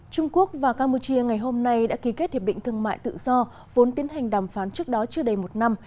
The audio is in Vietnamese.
trung quốc và campuchia ngày hôm nay đã ký kết hiệp định thương mại tự do vốn tiến hành đàm phán trước đó chưa đầy một năm